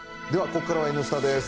ここからは「Ｎスタ」です。